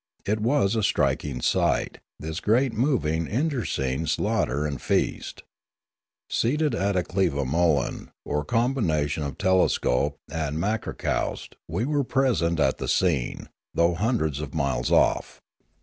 It was a striking sight, this great moving internecine slaughter and feast. Seated at a clevamolan, or combination of telescope and makrakoust, we were present at the scene, though hundreds of miles off.